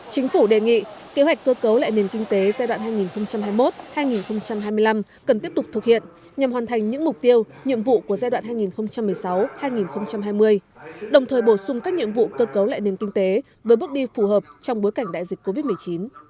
chính phủ đề nghị kế hoạch cơ cấu lại nền kinh tế giai đoạn hai nghìn hai mươi một hai nghìn hai mươi năm cần tiếp tục thực hiện nhằm hoàn thành những mục tiêu nhiệm vụ của giai đoạn hai nghìn một mươi sáu hai nghìn hai mươi đồng thời bổ sung các nhiệm vụ cơ cấu lại nền kinh tế với bước đi phù hợp trong bối cảnh đại dịch covid một mươi chín